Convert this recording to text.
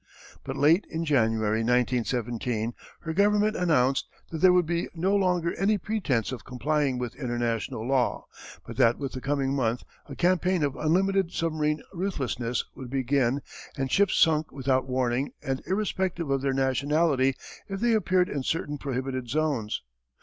But late in January, 1917, her government announced that there would be no longer any pretence of complying with international law, but that with the coming month a campaign of unlimited submarine ruthlessness would be begun and ships sunk without warning and irrespective of their nationality if they appeared in certain prohibited zones.